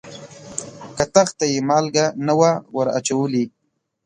کتغ ته یې مالګه نه وه وراچولې.